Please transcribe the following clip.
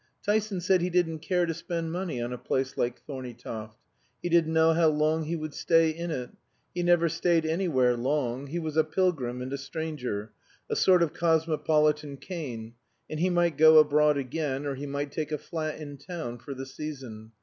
Tyson said he didn't care to spend money on a place like Thorneytoft; he didn't know how long he would stay in it; he never stayed anywhere long; he was a pilgrim and a stranger, a sort of cosmopolitan Cain, and he might go abroad again, or he might take a flat in town for the season.